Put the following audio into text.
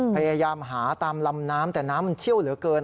พยายามหาตามลำน้ำแต่น้ำมันเชี่ยวเหลือเกิน